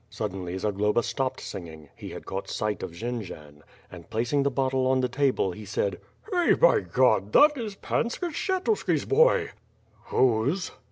'* Suddenly Zagloba stopped singing — ^he had caught sight of Jendzian — and placing the bottle on the table he said: "Hey! By God! That is Pan Skshetuski's boy!" "Whose?"